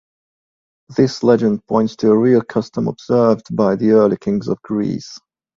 This legend points to a real custom observed by the early kings of Greece.